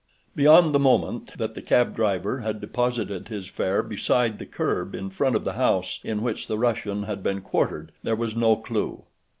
Beyond the moment that the cab driver had deposited his fare beside the curb in front of the house in which the Russian had been quartered there was no clue.